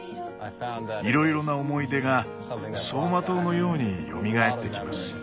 いろいろな思い出が走馬灯のようによみがえってきます。